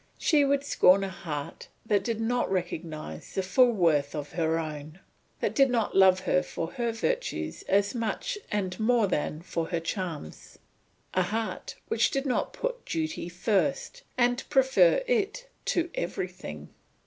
She would scorn a heart that did not recognise the full worth of her own; that did not love her for her virtues as much and more than for her charms; a heart which did not put duty first, and prefer it to everything.